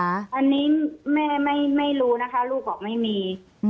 อันนี้แม่ไม่รู้นะคะลูกบอกไม่มี